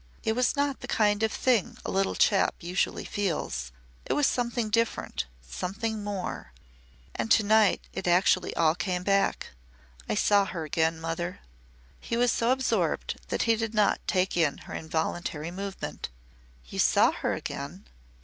It was not the kind of a thing a little chap usually feels it was something different something more. And to night it actually all came back. I saw her again, mother." He was so absorbed that he did not take in her involuntary movement. "You saw her again!